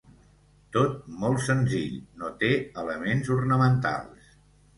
Tot molt senzill, no té elements ornamentals.